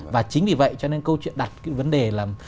và chính vì vậy cho nên câu chuyện đặt cái vấn đề là